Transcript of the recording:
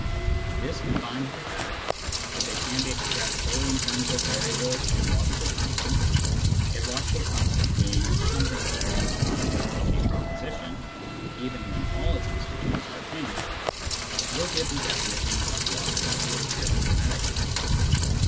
This, Mathematics and Logic 205 combined with the fact that they can be expressed wholly in terms of variables and logical constants (a logical constant being some thing which remains constant in a proposition even when all its constituents are changed) — will give the definition of logic or pure mathematics.